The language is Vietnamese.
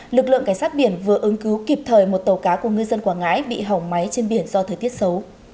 lực lượng cảnh sát biển vừa ứng cứu kịp thời một tàu cá của ngư dân quảng ngãi bị hỏng máy trên biển do thời tiết xấu